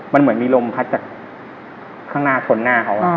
มันเหมือนมีลมพัดจากข้างหน้าชนหน้าเขา